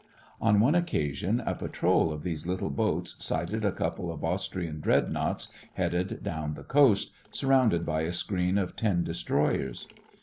On one occasion, a patrol of these little boats sighted a couple of Austrian dreadnoughts headed down the coast, surrounded by a screen of ten destroyers.